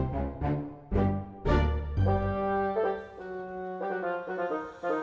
pacarnya udah tua